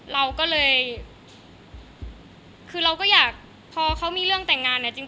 เราก็เลยคือเราก็อยากพอเขามีเรื่องแต่งงานเนี่ยจริง